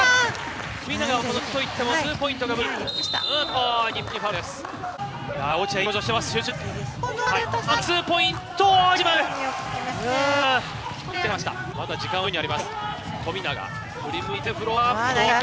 富永はなんといってもツーポイントが武器。